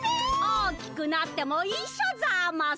おおきくなってもいっしょざます。